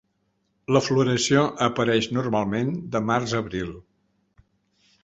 La floració apareix normalment de març a abril.